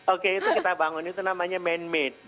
oke itu kita bangun itu namanya main made